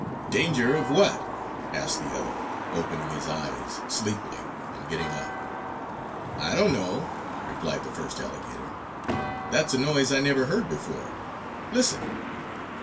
"Danger of what?" asked the other, opening his eyes sleepily, and getting up. "I don't know!" replied the first alligator. "That's a noise I never heard before. Listen!"